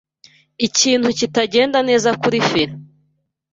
Ikintu kitagenda neza kuri feri.